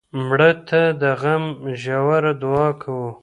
مړه ته د غم ژوره دعا کوو